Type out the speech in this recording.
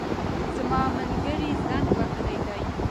زما ملګري زنګ وهلی دی